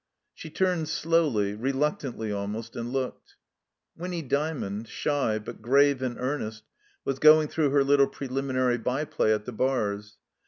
'' She turned slowly, reluctantly almost, and looked. Winny Dymond, shy, but grave and earnest, was going through her little preliminary byplay at the bars.